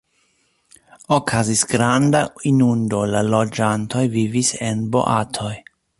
Okazis granda inundo, la loĝantoj vivis en boatoj.